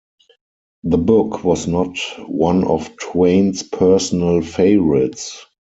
The book was not one of Twain's personal favorites.